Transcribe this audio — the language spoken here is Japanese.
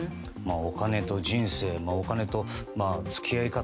お金と人生お金との付き合い方